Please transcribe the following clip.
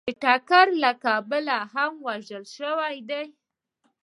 د ټکر له کبله هم وژل شوي دي